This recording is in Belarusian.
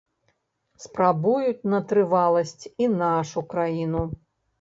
Спрабуюць на трываласць і нашу краіну.